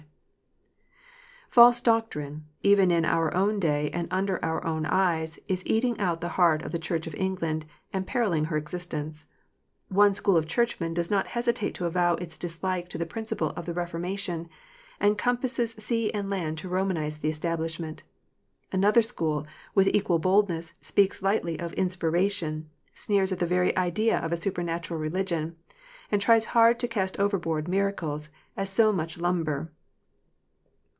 (d) False doctrine, even in our own day and under our own eyes, is eating out the heart of the Church of England and peril ling her existence. One school of Churchmen does not hesitate to avow its dislike to the principles of the Reformation, and com passes sea and land to Romanize the Establishment. Another school, with equal boldness, speaks lightly of inspiration, sneers at the very idea of a supernatural religion, and tries hard to cast overboard miracles as so much lumber.